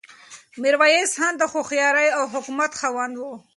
میرویس خان د هوښیارۍ او حکمت خاوند و.